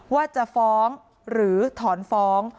ว่าจะฟ้องหรือถอนฟ้อง